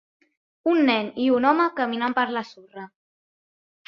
Un nen i un home caminant per la sorra.